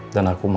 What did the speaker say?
dan aku mau